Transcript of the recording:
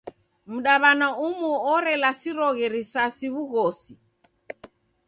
Mdaw'ana umu orelasiroghe risasi w'ugosi.